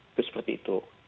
itu seperti itu